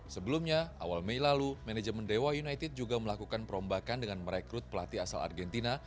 sebelumnya awal mei lalu manajemen dewa united juga melakukan perombakan dengan merekrut pelatih asal argentina